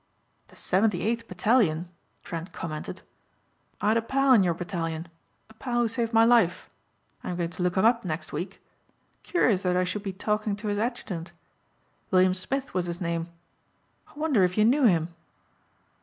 "The seventy eighth battalion," Trent commented, "I had a pal in your battalion, a pal who saved my life. I'm going to look him up next week. Curious that I should be talking to his adjutant. William Smith was his name. I wonder if you knew him?"